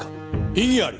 異議あり！